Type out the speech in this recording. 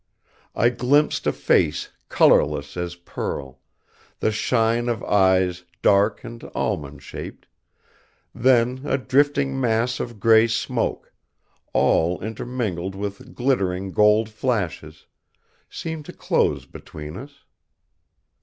I glimpsed a face colorless as pearl, the shine of eyes dark and almond shaped, then a drifting mass of gray smoke, all intermingled with glittering gold flashes, seemed to close between us.